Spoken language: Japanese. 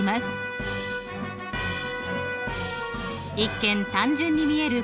一見単純に見える